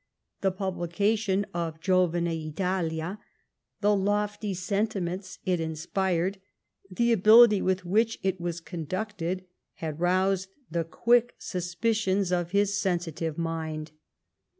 The pubhcation of Giovine Italia ; the lofty sentiments it inspired; the ability with which it was conducted ; had roused the quick suspicions of his sensi tive mind.